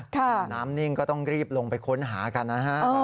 เห็นน้ำนิ่งก็ต้องรีบลงไปค้นหากันนะฮะ